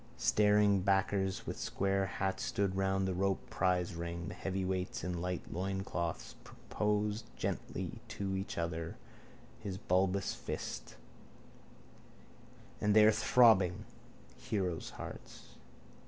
Staring backers with square hats stood round the roped prizering. The heavyweights in tight loincloths proposed gently each to other his bulbous fists. And they are throbbing: heroes' hearts.